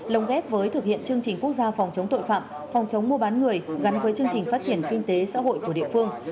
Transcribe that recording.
lồng ghép với thực hiện chương trình quốc gia phòng chống tội phạm phòng chống mua bán người gắn với chương trình phát triển kinh tế xã hội của địa phương